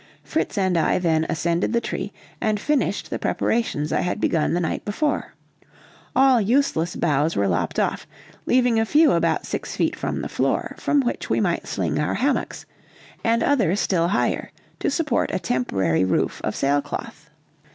Fritz and I then ascended the tree, and finished the preparations I had begun the night before, all useless boughs we lopped off, leaving a few about six feet from the floor, from which we might sling our hammocks, and others still higher, to support a temporary roof of sailcloth.